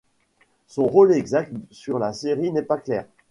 Son rôle exact sur la série n'est pas clair.